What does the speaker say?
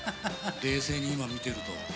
冷静に今見てると。